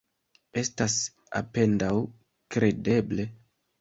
Estas apendaŭ kredeble.